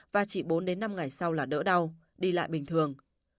và chỉ bốn đến năm ngày sau là đỡ đau đi lại bình thường